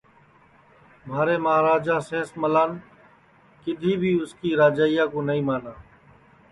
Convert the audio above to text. مہارے مہاراجا سین ملان کِدھی بھی اُس کی راجائیا کُو نائی مانا